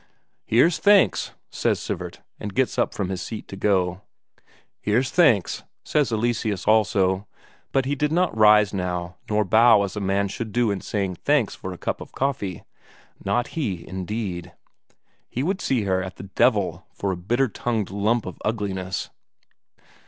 "Here's thanks!" says Sivert, and gets up from his seat to go. "Here's thanks!" says Eleseus also; but he did not rise nor bow as a man should do in saying thanks for a cup of coffee; not he, indeed he would see her at the devil for a bitter tongued lump of ugliness.